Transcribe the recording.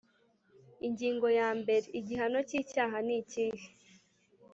Ingingo ya mbere Igihano cy icyaha nikihe